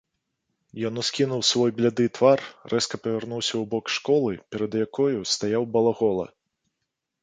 Ён ускінуў свой бляды твар, рэзка павярнуўся ў бок школы, перад якою стаяў балагола.